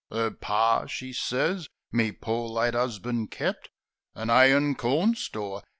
" 'Er Par," she sez, "me poor late 'usband, kept An 'ay an' corn store.